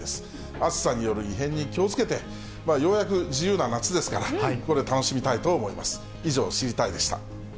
暑さによる異変に気をつけて、ようやく自由な夏ですから、これ、楽しみたいと思います。